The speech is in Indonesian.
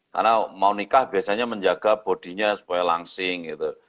karena mau nikah biasanya menjaga bodinya supaya langsing